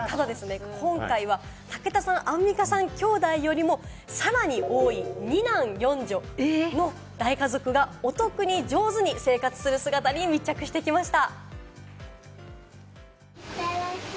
ただ今回は武田さん、アンミカさんのきょうだいよりもさらに多い２男４女の大家族がお得に上手に生活する姿に密着してきました。